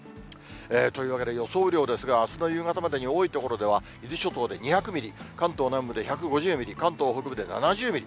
というわけで、予想雨量ですが、あすの夕方までに多い所では伊豆諸島で２００ミリ、関東南部で１５０ミリ、関東北部で７０ミリ。